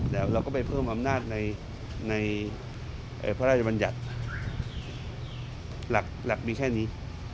แล้วเราก็ไปเพิ่มอำนาจในพระราชบัญญัติหลักมีแค่นี้